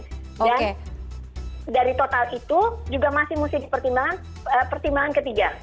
dan dari total itu juga masih mesti dipertimbangkan pertimbangan ketiga